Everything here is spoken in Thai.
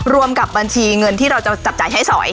กับบัญชีเงินที่เราจะจับจ่ายใช้สอย